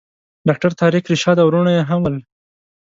ډاکټر طارق رشاد او وروڼه یې هم ول.